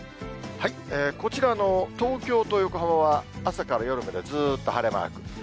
こちらの東京と横浜は、朝から夜までずっと晴れマーク。